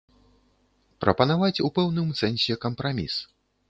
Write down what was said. Прапанаваць у пэўным сэнсе кампраміс.